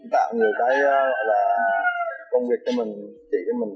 tạo nhiều cái công việc cho mình chỉ cho mình